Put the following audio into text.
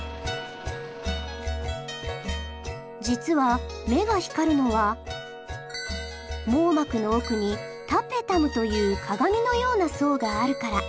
実は目が光るのは網膜の奥にタペタムという鏡のような層があるから。